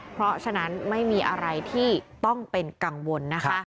เพราะฉะนั้นไม่มีอะไรที่ต้องเป็นกังวลนะคะ